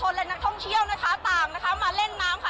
และนักท่องเที่ยวนะคะต่างนะคะมาเล่นน้ำค่ะ